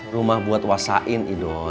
rumah buat wasain